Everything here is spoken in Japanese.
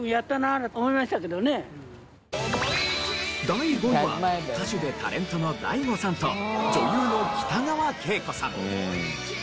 第５位は歌手でタレントのＤＡＩＧＯさんと女優の北川景子さん。